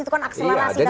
itu kan akselerasi